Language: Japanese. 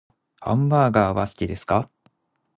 ハンバーガーは好きですか？